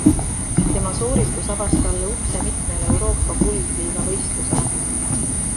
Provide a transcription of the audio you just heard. Tema sooritus avas talle ukse mitmele Euroopa Kuldliiga võistlusele.